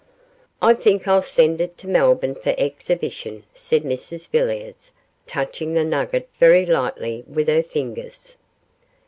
'I think I'll send it to Melbourne for exhibition,' said Mrs Villiers, touching the nugget very lightly with her fingers.